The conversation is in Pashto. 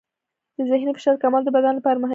د ذهني فشار کمول د بدن لپاره مهم دي.